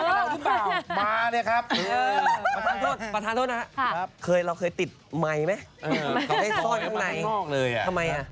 ประธานโทษนะครับเราเคยติดไมค์ไหมให้ซ่อนข้างในทำไมอ่ะ